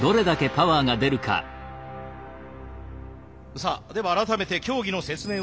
さあでは改めて競技の説明を致します。